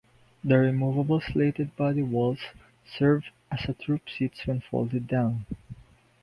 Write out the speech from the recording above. The removable slated body walls serve as troop seats when folded down.